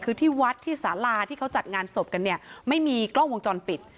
คือที่วัดที่สาราที่เขาจัดงานศพกันเนี่ยไม่มีกล้องวงจรปิด